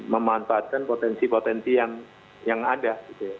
memanfaatkan potensi potensi yang ada